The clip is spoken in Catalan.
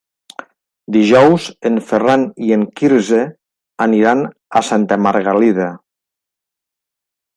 Dijous en Ferran i en Quirze aniran a Santa Margalida.